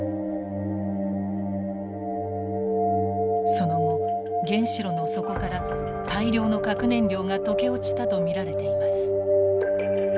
その後原子炉の底から大量の核燃料が溶け落ちたと見られています。